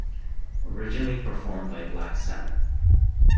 Originally performed by Black Sabbath.